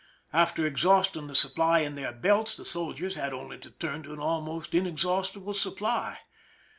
After exhausting the supply in their belts, the soldiers had only to turn to an almost inex haustible supply.